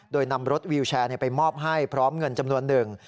โดยนำรถวิวแชร์ไปมอบให้พร้อมเงินจำนวนหนึ่ง